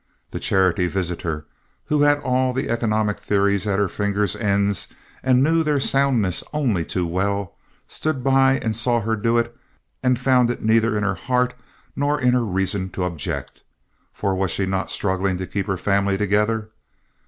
The charity visitor, who had all the economic theories at her fingers' ends and knew their soundness only too well, stood by and saw her do it, and found it neither in her heart nor in her reason to object, for was she not struggling to keep her family together?